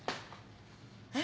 えっ？